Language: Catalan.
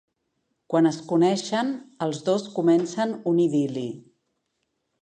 Quan es coneixen, els dos comencen un idil·li.